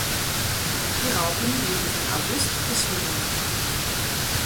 Die Raupen leben von August bis Juni.